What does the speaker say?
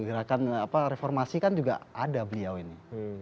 gerakan reformasi kan juga ada beliau ini